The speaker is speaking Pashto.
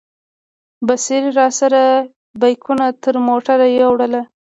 بصیر راسره بیکونه تر موټره یوړل.